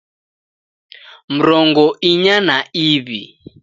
Mrongo inya na iw'i